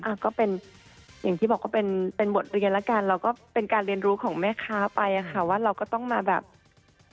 อ่าแล้วคุณแพนเนี่ยได้จะเอาเรื่องหรือว่าเอาราวรูปตามสื่อว่าเป็นใครแบบนี้ไหมคะ